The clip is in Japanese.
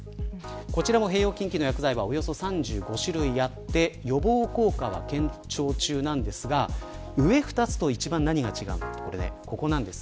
こちらも併用禁忌の薬剤はおよそ３５種類あり予防効果は検証中ですが上２つと一番何が違うかというとこちら。